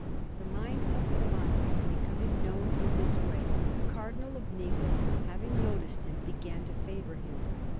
The mind of Bramante becoming known in this way, the Cardinal of Naples, having noticed him, began to favour him.